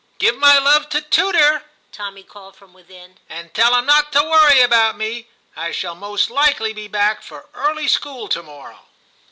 'Give my love to tutor,' Tommy called from within, ' and tell him not to worry about me; I shall most likely be back for early school to morrow.'